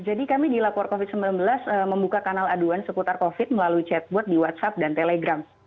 jadi kami di lapor covid sembilan belas membuka kanal aduan seputar covid melalui chatbot di whatsapp dan telegram